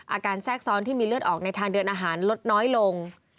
แทรกซ้อนที่มีเลือดออกในทางเดินอาหารลดน้อยลง